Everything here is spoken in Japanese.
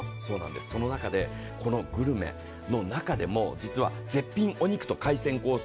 その中でグルメの中でも、実は絶品お肉と海鮮コース